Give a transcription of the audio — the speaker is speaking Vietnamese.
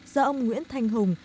do ông nguyễn thanh hùng